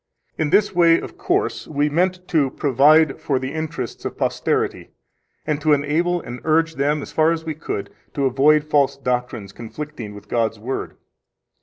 In this way, of course, we meant to provide for the interests of posterity, and to enable and urge them, as far as we could, to avoid false doctrines conflicting with God's Word.